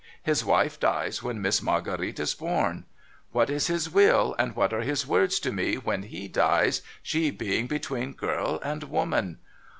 His wife dies when Miss Marguerite is born. What is his will, and w hat are his words to me, when fie dies, she being between girl and woman